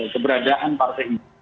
keberadaan partai ini